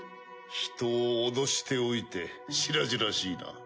人を脅しておいて白々しいな。